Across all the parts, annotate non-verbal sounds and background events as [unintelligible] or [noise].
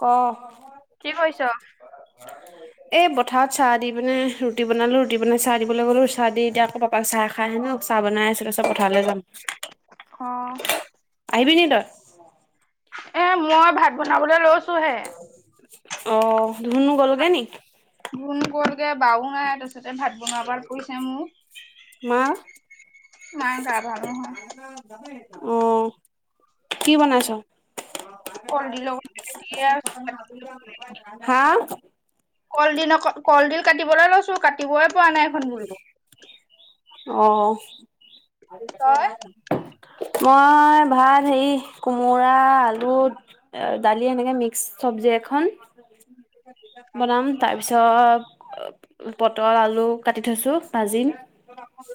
ক, কি কৰিছ? এই পথাৰত চাহ দি পিনে ৰুটি বনালো ৰুটি বনাই চাহ দিবলৈ গ'লো চাহ দি এতিয়া আকৌ, চাহ খাই হে নো চাহ বনাই আছিল তাৰ চত পথাৰলৈ যাম। অ, আহিবি নি তই। এ মই ভাত বনাবলে লৈছো হে। অ ধুনু গ'লগে নি। ধুনু গ'লগে বাও নাই তাৰপিছতে ভাত বনোৱা পাল পৰিছে মোৰ। মা, মাৰ গা ভাল নহয়, অ কি বনাইছ। কলডিল অকণ হা, কলডিল অক কলডিল কাটিবলৈ লৈছো কাটিবই, পৰা নাই এখন বোলো, অ'। তই? মই ভাত হেৰি কোমোৰা আলু দালি এনেকে মিক্স চব্জি এখন বনাম তাৰ পিছত পটল আলু ল কাটি থৈছোঁ ভাজিম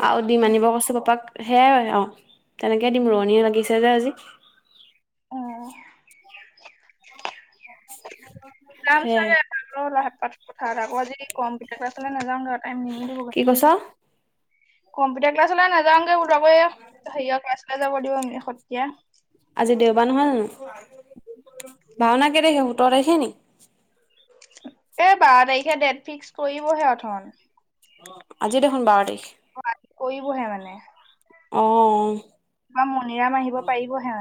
আৰু দিম আনিব কৈছো পাপাক সেয়াই হয় অ', তেনেকে দিম ৰোৱনীয়ে লাগিছে যে আজি। অ'। [unintelligible] যাম হে চাগে এটা লাভ পাত কথা এটা আ আজি কম পিত চালে নাযাওঁ দে টাইম নিমিলিব গৈ। কি কৈছ। কম্পিউটাৰ ক্লাছলৈ নাযাও গে কোয় সেয়া ক্লাছলৈ যাব দিব আমি সতীয়া আজি দেওবাৰ নহয় জানোঁ ভাওনা কেই তাৰিখে সোতৰ তাৰিখে নেকি। এ বাৰ তাৰিখে ডেট ফিক্স কৰিব সিঁঠন। আজি দেখোন বাৰ তাৰিখ। অ', কৰিবহে মানে। অ'। আমাৰ মণিৰাম আহিব পাৰিবহোনে।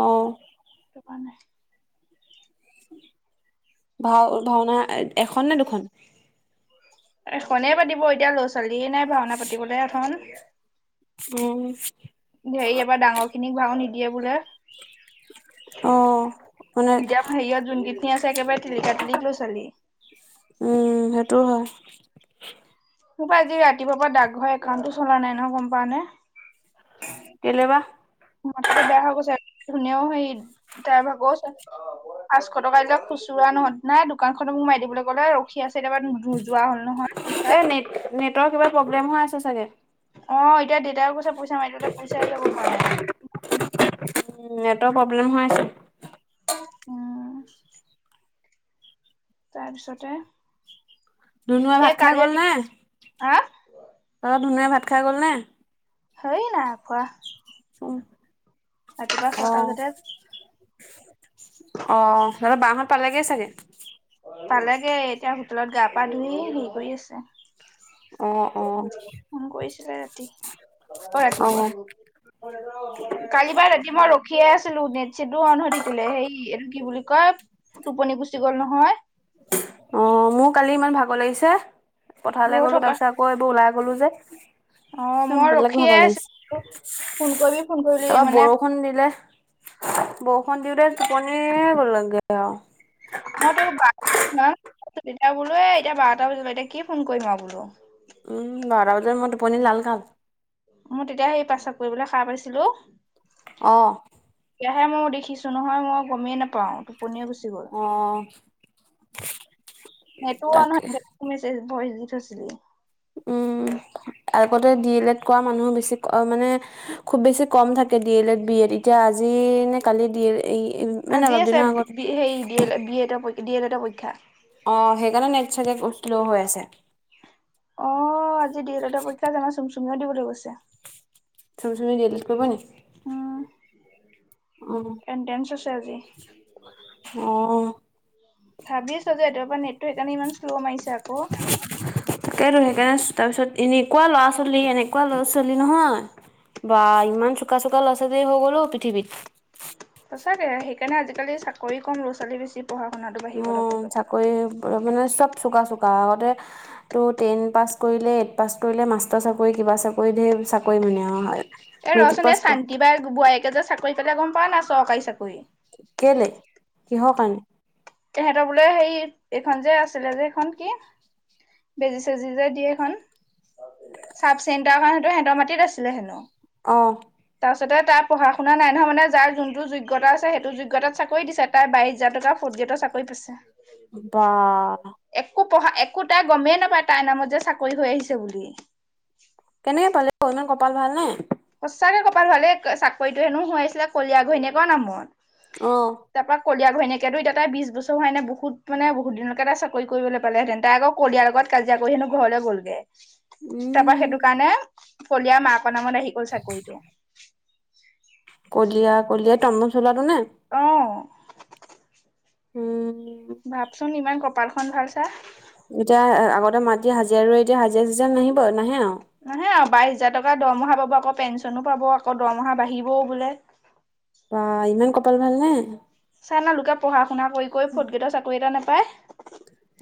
অ'। নাই। ভাও ভাওনা এখন নে দুখন? এখনেই পাতিব এতিয়া ল'ৰা ছোৱালীয়ে নাই ভাওনা পাতিবলৈ এখন অ'। হেৰি এবাৰ ডাঙৰ খিনিক ভাও নিদিয়ে বোলে। অ মানে হেৰিয় অ'ত যোনী খিনি আছে একেবাৰে টিলিক [unintelligible] উম সেইটোও হয়। মা আজি ৰাতিপুৱাৰ পৰা দাকঘৰ একাউন্টটো চলা নাই নহয় গ'ম পাৱ নে। কেলে বা। মাথাটো বেয়া হৈ গৈছে ধুনীয়াও সেই তাইৰ ভাগৰ আছে। পাঁচশ টকা এতিয়া খুচুৰা নহয় নাই দোকানখননত মোৰ মাই দিবলৈ ক'লে ৰখি আছো। কেতিয়াবা নোযোৱা হ'ল নহয় এই পৈচা। নেট নেটৰ কিবা প্ৰব্লেম হৈ আছে চাগে। অ', এতিয়া দেউতাই কৈছে পইচা মাৰি দিবলৈ পইচাই যাব পৰা নাই। উ নেটৰ প্ৰব্লেম হৈ আছে। [inaudible] তাৰপিছতে ধুনুৱা এই ভাত খাই কালি গ'ল ৰাতি নে হা তলপ ধুনুৱে ভাত খাই গ'লনে? হয় নাই খোৱা। ৰাতিপুৱা ছটা অ'। বজাতে অ', সিহঁতৰ বাহত পালেগে চাগে। পালেগে এতিয়া হোটেলত গা-পা ধুই হেৰি কৰি আছে। অ', অ'। ফোন কৰিছিলে ৰাতি অ', ৰাতিপুৱা। অ কালিবাৰ ৰাতি মই ৰখিয়ে আছিলোঁ নেট এচিটো অ'ন হৈ থাকিলে হেই এইটো কি বুলি কয় টোপনি গুচি গ'ল নহয়। অ', মোৰ কালি ইমান ভাগৰ লাগিছে। পথাৰলৈ ৰৈ গ'লো থকা তাৰপিছত আকৌ এইবোৰ ওলাই গলো যে। অ মই [unintelligible] বেলেগ ৰখিয়ে ভাগৰ আছিলো লাগিছে। ফোন কৰিবি ফোন কৰিবি তাৰপৰা মানে বৰষুণ দিলে। বৰষুণ দিওটে টোপনিয়ে গ'লগে আও। মই তু বা হা বোলো এতিয়া বাৰটা বজিব এতিয়া কি ফোন কৰিম আৰু বোলো। উম বাৰতা বজাত মই টোপনি লাল কাল। মোৰ তেতিয়া সেই পেছাব কৰিবলৈ খা পাইছিলো। অৱ। এতিয়াহে মই দেখিছো নহয়, মই গমেই নাপাওঁ। টোপনিয় গুচি গ'ল। অ', সেইটো নহয় তাকে কি মেছেজ ভয়চ দি থৈইছিলি! উম, আগতে ডি এলত এড কৰা মানুহ বেছি মানে খুব বেছি কম থাকে D El Ed B Ed এতিয়া আজি নে কালি ডি এল মানে আজিয়ে অলপ আছে দিনৰ আগত সেই ডি এড বি এডৰৰ ডি এডডৰ পৰীক্ষা। অৱ সেইকাৰণে নেট চাগে বহুত চলৌ হৈ আছে। অ আজি দি এ লেটৰ পৰীক্ষা জানা চোন চুমিও দিবলৈ গৈছে। চুম চুমি ডি এ লেট কৰিব নেকি? অৱ। এণ্টেন্ঞ্চ আছে আজি। অৱ। ভাবিছো যে ৰাতিপুৱা পৰা নেটটো সেইকাৰণে ইমান শ্ল' মাৰিছে [unintelligible] আকৌ। তাকেই সেইকাৰণে তাৰপিছত এনেকুৱা ল'ৰা ছোৱালী এনেকুৱা ল'ৰা ছোৱালী নহয়। বা ইমান চুকা চুকা লৰা-ছোৱালী হৈ গ'ল অ পৃথিৱীত। সঁচাকে সেইকাৰণে আজিকালি চাকৰি কম ল'ৰা ছোৱালী বেছি। পঢ়া শুনাটো বাঢ়ি গ'ল উম আকৌ চবৰে চাকৰি মানে চব চোকা চোকা আগতে টো টেন পাছ কৰিলে এইট পাছ কৰিলে মাষ্টাৰ চাকৰি কিবা চাকৰিত ঢেই চাকৰি মানে আও। এ ৰহচোন এই শান্তি বাই বোৱাৰীয়েকে যে চাকৰি পাল গম পাৱ না চৰকাৰী চাকৰি। কেলে কিহৰ কাৰণে? তেহেঁতৰ বোলে হেই এইখন যে আছিলে যে এইখন কি? বেজি চেজি যে দিয়ে এইখন! চাপচেণ্টাৰ সেটো সিহঁতৰ মাটিত আছিলে হেনো। অৱ। তাৰপাছতে তাৰ পঢ়া-শুনা নাই নহয় মানে যাৰ যোনটো যোগ্যতা আছে, সেইটো যোগ্যতাত চাকৰি দিছে। তাই বাইছ হাজাৰ টকাৰ ফুৰ্টগেটৰ চাকৰি পাইছে। বা। একো পঢ়া একো তাই গমেই নাপায় তাইৰ নামত যে চাকৰি হৈ আহিছে বুলি। কেনেকে পালে অ' ইমান কপাল ভাল নে। সঁচাকে কপাল ভালে চাকৰিতটো হেনো হয় আছিলে কলিয়া ঘৈণীয়েকৰ নামত। অৱ। তাৰ পা কলিয়া ঘৈনীয়েকেতু তাই বিশছ বছৰ হোৱা এনে বহুত মানে বহুত দিনকে এটা চাকৰি কৰিব পালেঁতেন ত' আকৌ কলিয়াৰ লগত কাজিয়া কৰি হেনো ঘৰলে গ'লগে। উম। মই সেইটো কাৰণে কলিয়াৰ মাকৰ নামত আহি গল চাকৰিতটো। কলিয়া কলিয়াই টম টম চলাটো নে? অৱ। উম। ভাবচোন ইমান কপালখন ভাল চা। এতিয়া আগতে মাটি হাজিৰা ৰৈ এতিয়া হাজিৰা হাজিৰা নাহিব নাহে আৰু। নাহে আৰু বাইশ হাজ তকা দৰমহা পাব আকৌ পেঞ্চনো পাব আকৌ দৰমহা বাঢ়িবও বোলে। বা ইমান কপাল ভাল নে। চাল লা লোকে পঢ়া শুনা কৰি ফৰ্থ গ্ৰেডৰ চাকৰি এটা নাপায়।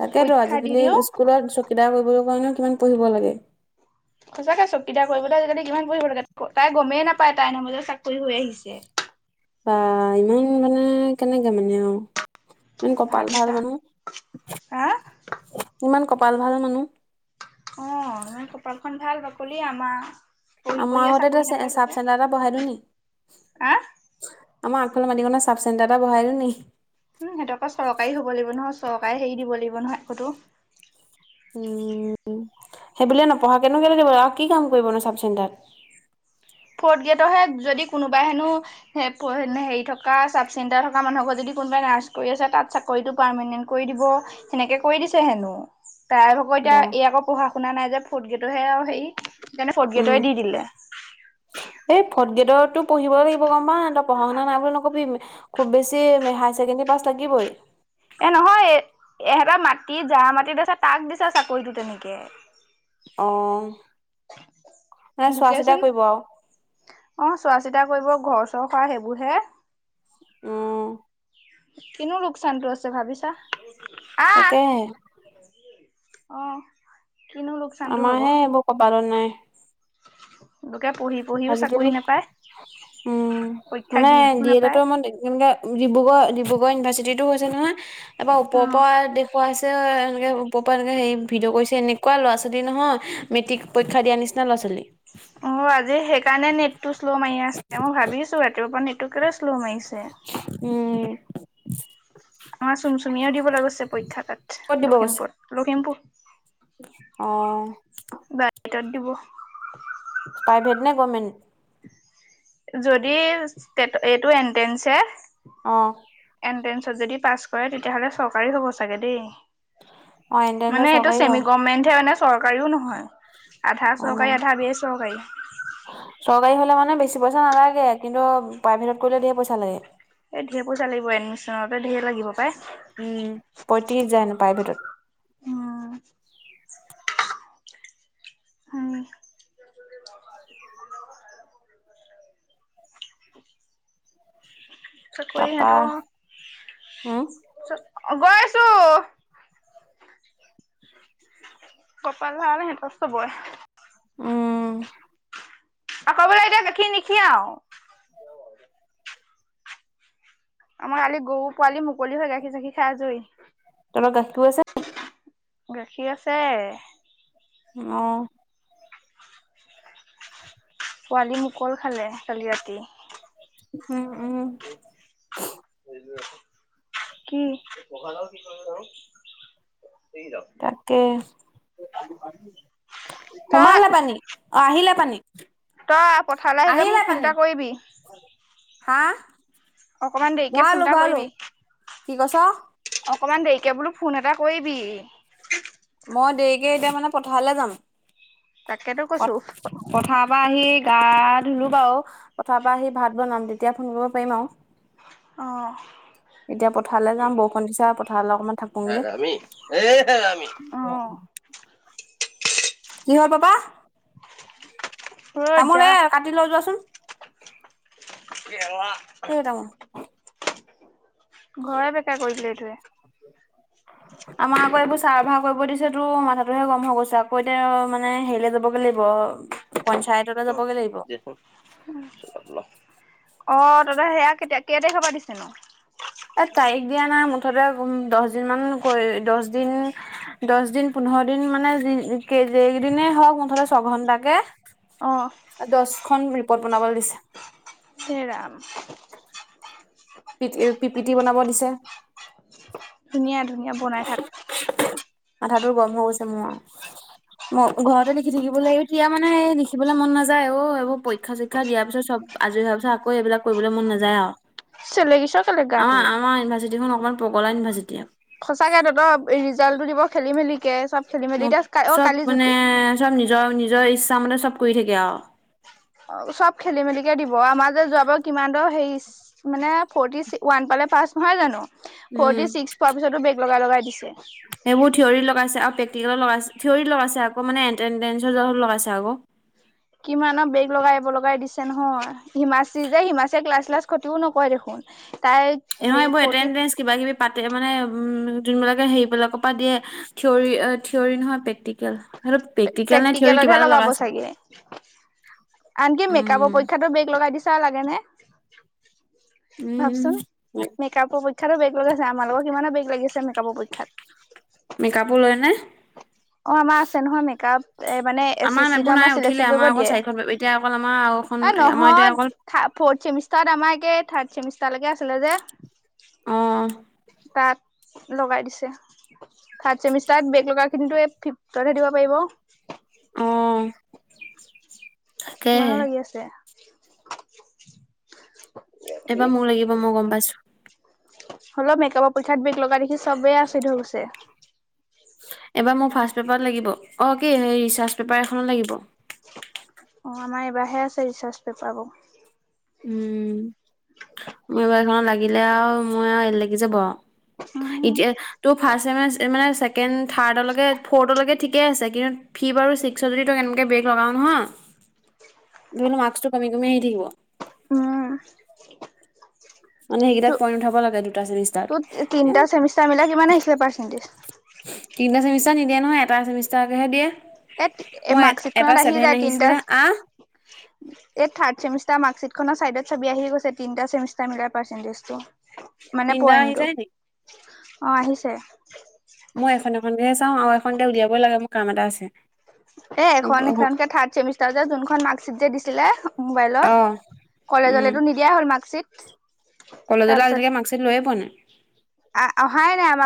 তাকেতো পৰীক্ষা দি আজিকালি দিও স্কুলত চকীদাৰ কৰিবৰ কাৰণেও কিমান পঢ়িব লাগে। সঁচাকে চকিদা কৰিবতো আজিকালি কিমান পঢ়িব লাগ তাই গমেই নাপায় তাইৰ নামাজতে চাকৰি হৈ আহিছে। বা ইমান মানে কেনেকে মানে অ'। ইমান কপাল ভাল ভাবিছা মানু হা ইমান কপাল ভাল মানহ। অ' ইমান কপালখন ভাল বাকলি আমা। মই আগতে এ চাব চেণ্টাৰ এটা বহাই দিওঁ নি। আহ আমাৰ আগফালে মাটিকনা চাব চেণ্টাৰ এটা বহাই দিও নি। উম, সিহটোক চৰকাৰে হ'ব লাগিব নহয় চৰকাৰে হেৰি দিব লাগিব নহয় একতো। উম, সেইবুলিয়ে নপঢ়া কেনেককে লাগিব আৰু কি কাম কৰিব নু চাব চেণ্টাৰত। ফ'ৰ্থ গ্ৰেডৰহে যদি কোনোবাই হেনো। হেৰি থকা চাব চেণ্টাৰ থকা মানুহৰ ঘৰ যদি কোনোবাই নাৰ্ছ কৰি আছে তাত। কৰিতটো পাৰমানেন্ট কৰি দিব সেনেকে কৰি দিছে হেনো। তাই ভকৌ এতিয়া বা এই আকৌ পঢ়া শুনা নাই যে ফৰ্থ গেটৰহে আৰু হেৰি ফৰ্থ গেটে দি দিলে। এ ফটগেটৰটো পঢ়িব লাগিব গম পাহঁতই পঢ়া শুনা নাই বুলি নকবি। খুব বেছি হায়াই ছেকেণ্ডেৰী পাছ লাগিবই। এ নহয় এ এহেটা মাটি জা মাটিত আছে তাক দিছে চাকৰিটো তেনেকে। অঁ। লোকেচোন। আৰু অ' চোৱা চিতা কৰিব ঘৰ চৰ খোৱা সেইবোৰ হে। উম। কিনো লোকচানতটো আছে ভাবিছা। আহ তাকে। অ', কিনো লোকচানটো হ'ব। আমাৰহে এইবোৰ কপালত নাই [unintelligible] লোকে পঢ়ি। পঢ়িও চাকৰি আজিকালি নাপায় উম', পৰীক্ষা মানে দি দিও ডিএ নাপায়। লেটৰ মই কেনেকে। ডিব্ৰুগড় ডিব্ৰুগড় ইউনিভাৰ্চিটিটো হৈছে নহয় এাৰৰা অ ওপৰৰ পৰা দেখুৱাইছে এনেকৈ। উপ পা হেনেকে ভিডিঅ' কৰিছে এনেুৱা ল'ৰা -ছোৱালী নহয় মেটিকৰীক্ষা দিয়া নিচিনা ল'ৰা- ছোৱালী। অ', আজি সেইকাৰণে নেটটো শ্ল' মাৰি আছে মই ভাবিছো ৰাতিপুৱাৰ পৰা নেট টো কেলে শ্ল' মাৰিছে। আছে। উম,। আমাৰ চুম চুমিয়ও দিবলৈ গৈছে পৰীক্ষা তাত ক'ত দিব গৈছে লখিমপুৰত লখিমপুৰ। অ। প্ৰাইভেটত দিব। প্ৰাইভেট নে গভমেণ্ট? যদি এইটো এনট্ৰেঞ্চে। অ। এনট্ৰেন্ঞ্চত যদি পাছ কৰে তেতিয়াহ'লে চৰকাৰী হ'ব চাগে অ দেই। এণ্ট্ৰেঞ্চৰ মানে এইটো চৰকাৰী হয় চেমিগমেন্ট হে মানে। চৰকাৰীও নহয় আধা অ চৰকাৰী আধা বেচৰকাৰী চৰকাৰী হলে মানে বেছি পইচা নালাগে কিন্তু প্ৰাইভেটত কৰিলে ধেৰ পইচা লাগে এই ধেৰ পইচা লাগিব এডমিশ্যনৰ বাবে ধেৰ লাগিব পাই উম পঁইত্ৰিশ হাজাৰ হেনো প্ৰাইভেটত উম [unintelligible] চাকৰি তাৰপা হেত উম গৈছো কপাল ভাল হেট চবৰে উম আকৌ বোলে এতিয়া গাখিৰ নিখীৱাও আমাৰ কালি গৰু পোৱালি মুকলি হয় গাখীৰ চাখীৰ খাই আজৰী তহঁতৰ গাখীৰো আছে গাখীৰ আছে অ পোৱালি মুকল খালে কালি ৰাতি উম উম কি তাকে তই সোমালে পানী অ আহিলে পানী তই পথাৰলৈ মোক আহিলে ফোন পানী এটা কৰিবি হা অকমান দেৰিকে ফোন ভৰালো এটা ভৰালো কৰিবি কি কছ অকমান দেৰিকে বোলো ফোন এটা কৰিবি মই দেৰিকে এতিয়া মানে পথাৰলে যাম তাকেতো কৈছো পথাৰপা আহি গা ধুলো বাৰু পথাৰপা আহি ভাত বনাম তেতিয়া ফোন কৰিব পাৰিম আৰু অঁ এতিয়া পথাৰলে যাম বৰষুণ দিছে পথাৰলে অকনমান থাকুংগে অ অ কিহ পাবা অই যা এই কাটি লৈ যোৱাচোন কোলা দেই তামোল ঘৰে বেকা কৰি দিলে এইটোৱে আমাৰ আকৌ এইবোৰ চাৰভাৰ কৰিব দিছেতো মাথাটোহে গৰম হৈ গৈছে আকৌ এতিয়া মানে হেৰিলৈ যাবগৈ লাগিব পঞ্চায়ততে যাবগে লাগিব অ তহঁতৰ সেয়া কেতিয়া কেই তাৰিখৰপা দিছে নো? এ তাৰিখ দিয়া নাই মুঠতে দহ দিন মান দহ দিন দচ দিন পোন্ধৰ দিন মানে যেই দিনেই হওক মুঠতে ছঘন্টাকে অ দচখন ৰিপদ বনাবলে দিছে এ ৰাম পি পিপিটি বনাব দিছে ধুনীয়া ধুনীয়া বনাই থাক মাথাটো গৰম হৈ গৈছে মোৰ ঘৰতে লিখি থাকিবলে এতিয়া মানে লিখিবলৈ মন নাযায় অ এইবোৰ পৰীক্ষা চৰীখা শিক্ষা দিয়াৰ পিছত চব আজৰি হোৱাৰ পিছত আকৌ এইবিলাক কৰিবলৈ মন নাযায় আৰু চেলেকিছ কেলে গাটো আমাৰ আমাৰ ইউনিভাৰ্চিটি খন অকমান পগলা ইউনিভাৰ্চিটি সঁচাকে তহত ৰিজাল্টটো দিব খেলি মেলিকে চব খেলি মেলি এতিয়া অ চব কালি মানে জুতি চব নিজৰ নিজৰ ইচ্ছা মতে চব কৰি থাকে আৰু অ চব খেলি মেলিকে দিব আমাৰ যে যোৱা বাৰ কিমান দৰ হেৰি মানে ফৰটি ৱান পালে পাছ নহয় জানো উম ফৰটি চিক্স পোৱাৰ পিছতো বেগ লগাই লগাই দিছে। সেইবোৰ থিয়ৰি লগাইছে আৰু প্ৰেকটিকেল লগাইছে থিয়ৰৰি লগাইছে আকৌ মানে এটেডেঞ্চৰ জহত লগাইছে আকৌ। কিমানৰ বেগ লগাই লগাই দিছে নহয় হিমাশ্ৰী যে হিমাশ্ৰী যে ক্লাছ চাল্স খতিও নকৰে দেখোন। তাইক নহয় এইবোৰ এটেডেঞ্চ কিবা কিবি পাতে মানে উম যোনবিলাকে হেৰিবলাকৰ পৰা দিয়ে। থিয়ৰী থিয়ৰী নহয় প্ৰেক্টিকেল। সেইটো প্ৰেক্টিকেল নে থিয়ৰী কিবা প্ৰেক্টিকেলতহে এটা লগাব লগাইছে চাগে। আনকি মেকআপৰ উম পৰীক্ষাতো বেগ লগাই দিছা লাগে নে ভাবচোন। উম মেকআপৰ পৰীক্ষাতো বেগ লগাইছে আমালোকৰ কিমান বেগ লাগছে মেকআপৰ পৰীক্ষাত। মেকাপো লয়নে? অ আমাৰ আছে নহয় মেকআপ। এ মানে এচ চি চিটো এইবোৰ নাই আমাৰ উঠিলে চিলেকচন কৰিব আমাৰ অকল দিয়ে। চাৰিখন এতিয়া অকল আমাৰ আৰু এখন এ আমাৰ এতিয়া নহয়। অকল থা ফ'ৰ্থ চেমিষ্টাৰত আমাৰাকে থাৰ চেমিষ্টাৰলেকে আছিলে অ যে, তাত। লগাই দিছে থাৰড চেমিষ্টাৰত বেগ লগা খিন ফিফতহে দিব পাৰিব। অঁ' কিমানৰ লাগি আছে? এইবাৰ মোৰ লাগিব মই গম পাইছো। হ'লও মেকআপৰ পৰীক্ষাত বেগ লগা দেখি চবে আচৰিত হয় গৈছে। এবাৰ মোৰ ফাৰ্ষ্ট পেপাৰত লাগিব। অ কি এই ৰিচাৰ্চ পেপাৰ এখনত লাগিব। অ আমাৰ এইবাৰহে আছে ৰিচাৰ্চ পেপাবোৰ। উম মোৰ এইবাৰ এখনত লাগিলে আৰু মই আৰু লাগি যাব আৰু। উম এতিয়া ত' ফাৰ্ষ্ট চেমে মানে ছেকেণ্ড থাৰ্ডলৈকে ফ'ৰ্থলৈকে ঠিকেই আছে কিন্তু ফিফ আৰু ছিক্স যদি তই এনেকে বেগ লগাও নহয়। ধৰিল মাৰ্কটো কমি কমি আহি থাকিব। উম। মানে সেইকেইটাত পইন্ট উঠাব লাগে দুটা চেমিষ্টাৰ। তোৰ তিনিটা চেমিষ্টাৰ মিলাই কিমান আহিছিলে পাৰ্চেন্টেজ। তিনিটা চেমিষ্টাৰ নিদিয়ে নহয় এটা চেমিষ্টাৰকেহে এ দিয়ে। এই মই মাৰ্কশ্বিট খনত এটা আহি চছেভেন যায় তিনিটা আহিছিলে আহ। এই থাৰ্ড চ্মিষ্টাৰ মাৰ্কশিটখনৰ চাইডত চাবি আহি গৈছে তিনিটা চেমষ্টাৰ ম পাৰ্চেন্টেজ টো। মানে তিনিটা আহি পইণ্টো যায় নি অঁ' আহিছে। মই এখন এখনকে চাওঁ আৰু এখনতে উলিয়াবই লাগে মোৰ কাম এটা আছে। এ ম- এখন এখনকে থাৰ্ড চেমিষ্টাৰ যে যোনখন মাৰ্কশ্বিট যে দিছিলে অ মোবাইলত। উম কলেজলেতো নিদিয়াই হ'ল মাৰ্কশ্বিট। কলেজত আজিলৈকে মাৰ্কশ্বিট লৈ পোৱা নাই। আ অহাই নাই আমাক।